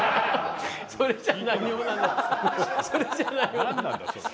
何なんだそれ。